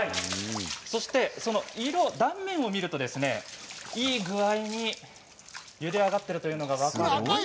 断面を見るといい具合にゆで上がっているということが分かります。